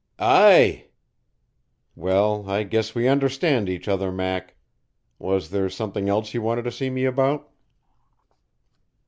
"Aye." "Well, I guess we understand each other, Mac. Was there something else you wanted to see me about?"